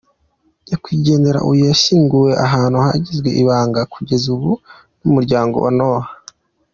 Nyakwigendera uyu yashyinguwe ahantu hagizwe ibanga kugeza ubu n’umuryango wa Noah.